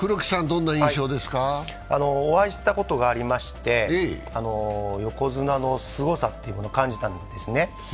お会いしたことがありまして、横綱のすごさっていうものを感じたんですよね。